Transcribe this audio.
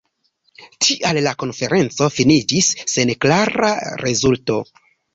Tial la konferenco finiĝis sen klara rezulto.